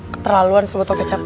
keterlaluan sebotol kecap